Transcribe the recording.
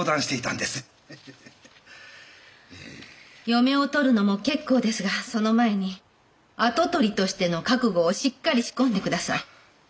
嫁を取るのも結構ですがその前に跡取りとしての覚悟をしっかり仕込んで下さい。